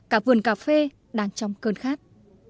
cả vườn cà phê đang trong cơn khát